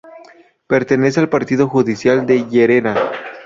Pertenece al Partido judicial de Llerena.